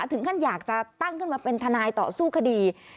ถึงขั้นอยากจะตั้งขึ้นมาเป็นทนายต่อสู้คดี